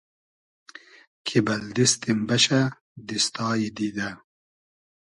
کی بئل دیستیم بئشۂ دیستای دیدۂ